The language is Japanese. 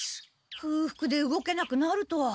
くうふくで動けなくなるとは。